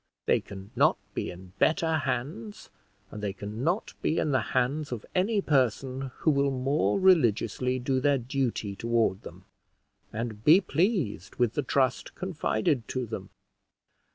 They can not be in better hands, and they can not be in the hands of any person who will more religiously do their duty toward them, and be pleased with the trust confided to them.